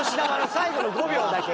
最後の５秒だけ。